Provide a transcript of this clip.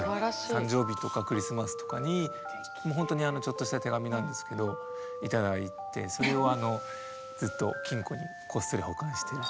誕生日とかクリスマスとかに本当にちょっとした手紙なんですけど頂いてそれをずっと金庫にこっそり保管してるっていう。